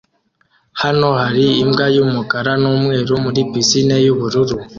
Hano hari imbwa y'umukara n'umweru muri pisine yubururu